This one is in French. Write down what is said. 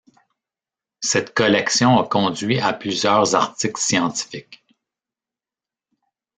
Cette collection a conduit à plusieurs articles scientifiques.